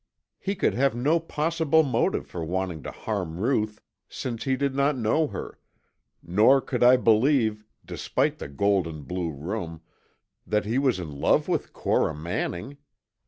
He could have no possible motive for wanting to harm Ruth since he did not know her, nor could I believe, despite the gold and blue room, that he was in love with Cora Manning.